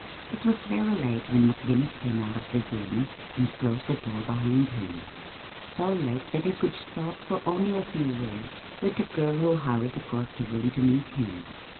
It was very late when McGinnis came out of the den and closed the door behind him so late that he could stop for only a few words with the girl who hurried across the room to meet him.